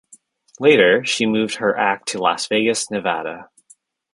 Later she moved her act to Las Vegas, Nevada.